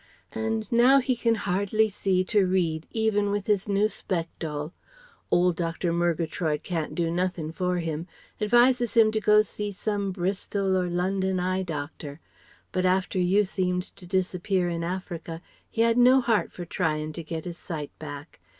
And now he can hardly see to read even with his new spectol. Old Doctor Murgatroyd can't do nothing for him Advises him to go to see some Bristol or London eye doctor. But after you seemed to disappear in Africa he had no heart for trying to get his sight back.